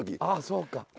ああそうか。